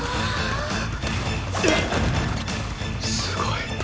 すごい。